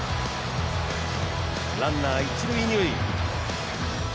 ランナー、一・二塁。